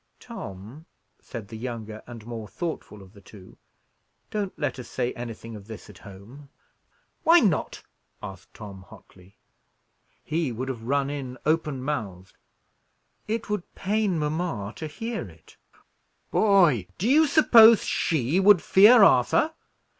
"Tom," said the younger and more thoughtful of the two, "don't let us say anything of this at home." "Why not?" asked Tom, hotly. He would have run in open mouthed. "It would pain mamma to hear it." "Boy! do you suppose she would fear Arthur?"